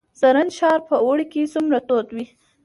زرنج ښار په اوړي کې څومره تود وي؟